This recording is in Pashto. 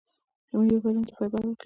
میوه بدن ته فایبر ورکوي